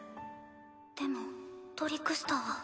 でもトリクスタは？